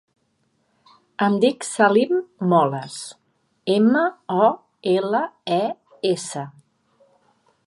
Em dic Salim Moles: ema, o, ela, e, essa.